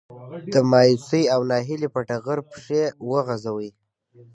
د مايوسي او ناهيلي په ټغر پښې وغځوي.